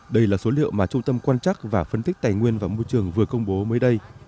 đây là số liệu mà trung tâm quan chắc và phân tích tài nguyên và môi trường vừa công bố mới đây